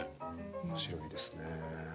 面白いですね。